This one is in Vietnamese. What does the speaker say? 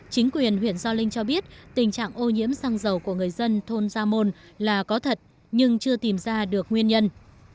chính quyền huyện gio linh cho biết tình trạng ô nhiễm xăng dầu của người dân thôn gia môn là có thật nhưng chưa tìm ra được nguyên nhân